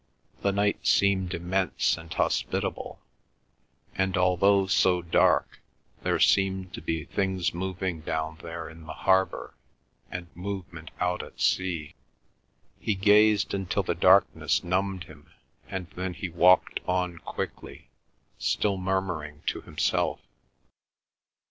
The night seemed immense and hospitable, and although so dark there seemed to be things moving down there in the harbour and movement out at sea. He gazed until the darkness numbed him, and then he walked on quickly, still murmuring to himself.